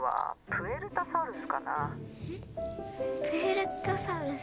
プエルタサウルス。